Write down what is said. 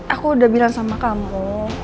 aku udah bilang sama kamu